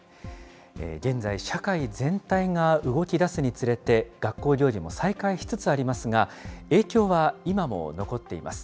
現在、社会全体が動きだすにつれて、学校行事も再開しつつありますが、影響は今も残っています。